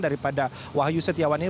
daripada wahyu setiawan ini